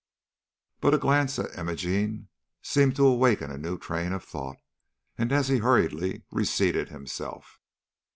But a glance at Imogene seemed to awaken a new train of thought, and he as hurriedly reseated himself.